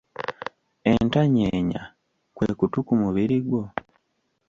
Entanyeenya kwe kutu ku mubiri gwo?